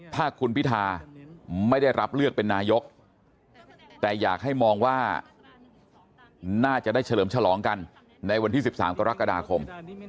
ถ้าคุณพิธาไม่ได้รับเลือกเป็นนายกแต่อยากให้มองว่าน่าจะได้เฉลิมฉลองกันในวันที่๑๓กรกฎาคม